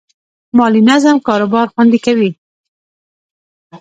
مالي نظم کاروبار خوندي کوي.